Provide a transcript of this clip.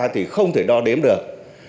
thì không thể đo đếm được